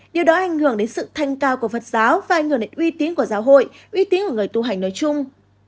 điều đó ảnh hưởng đến sự thanh cao của phật giáo và ảnh hưởng đến uy tín của giáo hội uy tín của người tu hành nói chung